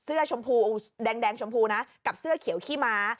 ชมพูแดงชมพูนะกับเสื้อเขียวขี้ม้า